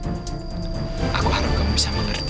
jangan dikenal diri dari orang orang lain lagi yang dukung parento